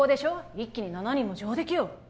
一気に７人も上出来よ